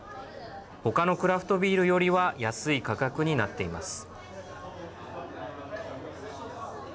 他のクラフトビールよりは安い価格になっています。